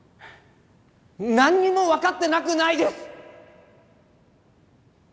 何にも分かってなくないです！